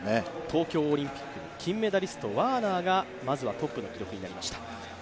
東京オリンピック、金メダリスト、ワーナーがまずはトップの記録になりました。